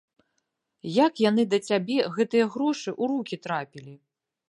Як яны да цябе, гэтыя грошы, у рукі трапілі?